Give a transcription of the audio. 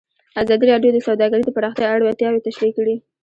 ازادي راډیو د سوداګري د پراختیا اړتیاوې تشریح کړي.